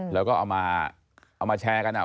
แล้วก็เอามาแชร์กัน